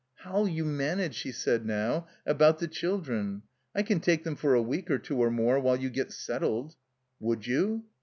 "How'll you manage," she said now, "about the children? I can take them for a week or two or more while you get settled." "Would you?"